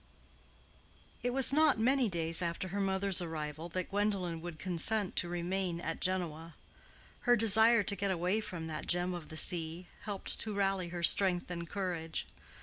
It was not many days after her mother's arrival that Gwendolen would consent to remain at Genoa. Her desire to get away from that gem of the sea, helped to rally her strength and courage.